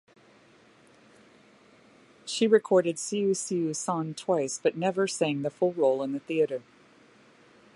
She recorded Cio-Cio-San twice but never sang the full role in the theater.